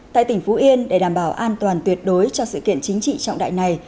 tại tỉnh phú yên để đảm bảo an toàn tuyệt đối cho sự kiện chính trị trọng đại này